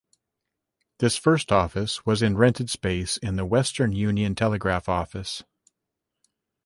This first office was in rented space in the Western Union Telegraph office.